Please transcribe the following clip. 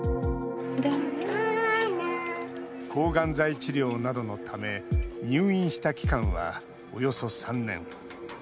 抗がん剤治療などのため入院した期間は、およそ３年。